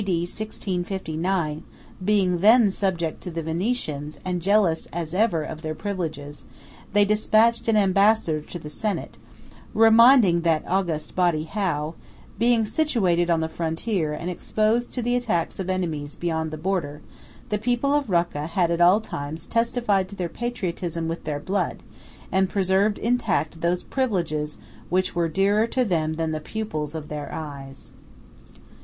D. 1659, being then subject to the Venetians and jealous as ever of their privileges, they despatched an ambassador to the Senate, reminding that august body how, "being situated on the frontier and exposed to the attacks of enemies beyond the border, the people of Rocca had at all times testified to their patriotism with their blood, and preserved intact those privileges which were dearer to them than the pupils of their eyes."